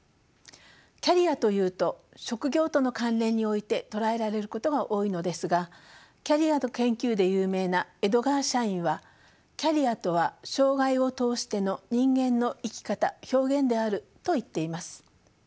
キャリアというと職業との関連において捉えられることが多いのですがキャリアの研究で有名なエドガー・シャインは「キャリアとは生涯を通しての人間の生き方・表現である」と言っています。